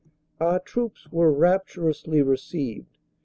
Our troops were rapturously received.